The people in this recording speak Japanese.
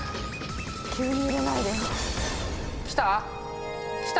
急に揺れないでよ。きた？